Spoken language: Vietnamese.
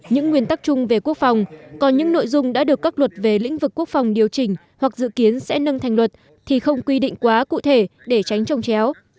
những nguyên tắc chung về quốc phòng còn những nội dung đã được các luật về lĩnh vực quốc phòng điều chỉnh hoặc dự kiến sẽ nâng thành luật thì không quy định quá cụ thể để tránh trồng chéo